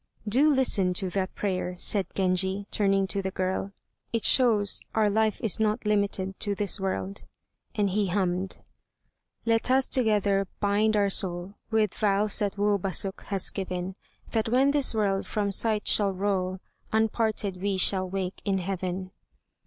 "Do listen to that prayer," said Genji, turning to the girl, "it shows our life is not limited to this world," and he hummed: "Let us together, bind our soul With vows that Woobasok has given, That when this world from sight shall roll Unparted we shall wake in heaven."